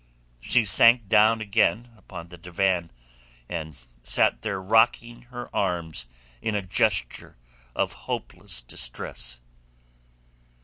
She sank down again upon the divan, and sat there rocking her arms in a gesture of hopeless distress.